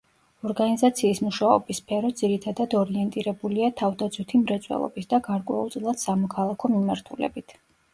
ორგანიზაციის მუშაობის სფერო ძირითადად ორიენტირებულია თავდაცვითი მრეწველობის და გარკვეულწილად სამოქალაქო მიმართულებით.